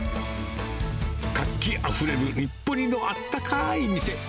活気あふれる日暮里のあったかい店。